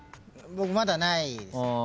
僕まだないですね。